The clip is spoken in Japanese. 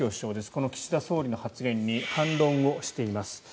この岸田総理の発言に反論をしています。